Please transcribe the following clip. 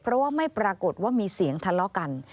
เพราะว่าไม่ปรากฏว่ามีเสียงทะเลาะกัน